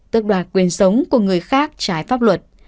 tức đoạt quyền sống của người khác trái pháp luật